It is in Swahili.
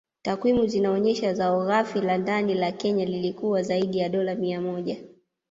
Takwimu zinaonesha zao Ghafi la Ndani la Kenya lilikuwa zaidi ya dola mia moja